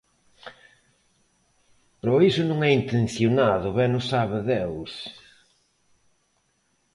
Pero iso non é intencionado, ben o sabe Deus;